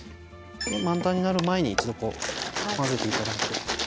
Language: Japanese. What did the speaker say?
満タンになる前に一度こう混ぜて頂いて。